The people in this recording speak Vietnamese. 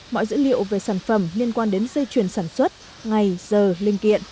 mọi dữ liệu về sản phẩm liên quan đến dây chuyền sản xuất ngày giờ liên kiện